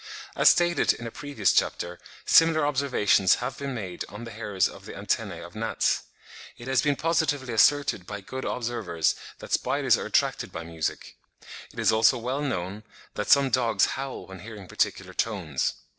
(32. Helmholtz, 'Theorie Phys. de la Musique,' 1868, p. 187.) As stated in a previous chapter, similar observations have been made on the hairs of the antennae of gnats. It has been positively asserted by good observers that spiders are attracted by music. It is also well known that some dogs howl when hearing particular tones.